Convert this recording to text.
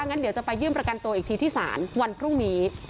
งั้นเดี๋ยวจะไปยื่นประกันตัวอีกทีที่ศาลวันพรุ่งนี้